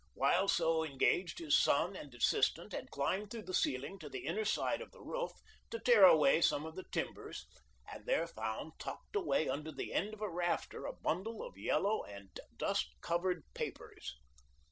While so engaged his son and assistant had climbed through the ceiling to the inner side of the roof to tear away some of the timbers, and there found, tucked away under the end of a rafter, a bundle of yellow and dust covered papers.